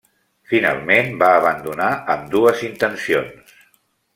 Finalment, va abandonar ambdues intencions.